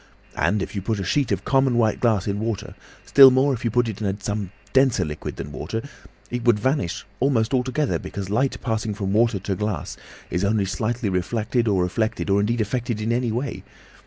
And if you put a sheet of common white glass in water, still more if you put it in some denser liquid than water, it would vanish almost altogether, because light passing from water to glass is only slightly refracted or reflected or indeed affected in any way.